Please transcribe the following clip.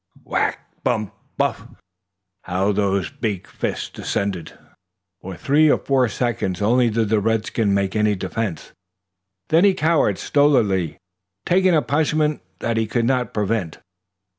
Whack! bump! buff! How those big fists descended! For three or four seconds only did the redskin make any defense. Then he cowered, stolidly, taking a punishment that he could not prevent.